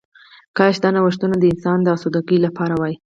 کاش دا نوښتونه د انسان د آسوده ګۍ لپاره وای